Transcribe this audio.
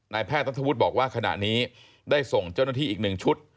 แพทย์นัทธวุฒิบอกว่าขณะนี้ได้ส่งเจ้าหน้าที่อีกหนึ่งชุด